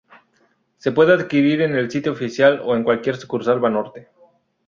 Se puede adquirir en el sitio oficial o en cualquier sucursal Banorte.